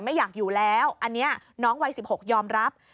ไม่อยากอยู่แล้วอันนี้น้องวัย๑๖ยอมรับ